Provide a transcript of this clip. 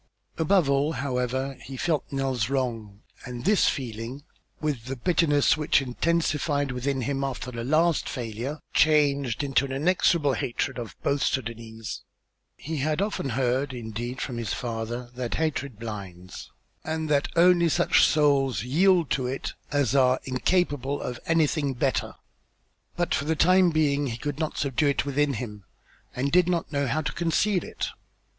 Above all, however, he felt Nell's wrong and this feeling, with the bitterness which intensified within him after the last failure, changed into an inexorable hatred of both Sudânese. He had often heard, indeed, from his father that hatred blinds, and that only such souls yield to it as are incapable of anything better; but for the time being he could not subdue it within him, and did not know how to conceal it.